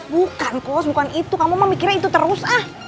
bukan cost bukan itu kamu mah mikirnya itu terus ah